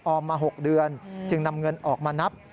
มา๖เดือนจึงนำเงินออกมานับ